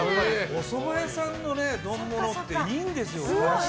おそば屋さんの丼物っていいんですよ。